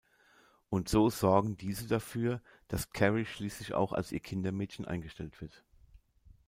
Und so sorgen diese dafür, dass Carrie schließlich auch als ihr Kindermädchen eingestellt wird.